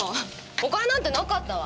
お金なんてなかったわ。